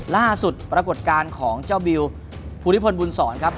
ล่าสุดปรากฏการณ์ของเจ้าบิวภูริพลบุญศรครับ